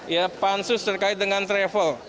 ya pansus terkait dengan travel